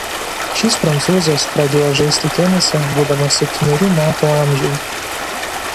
Šis prancūzas pradėjo žaisti tenisą būdamas septynerių metų amžiaus.